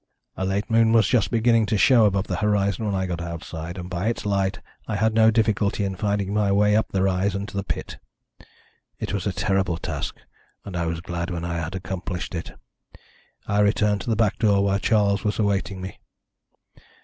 "A late moon was just beginning to show above the horizon when I got outside, and by its light I had no difficulty in finding my way up the rise and to the pit. It was a terrible task, and I was glad when I had accomplished it. I returned to the back door, where Charles was awaiting me.